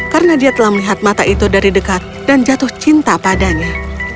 karena dia telah melihat mata itu dari dekat dan jatuh cinta padanya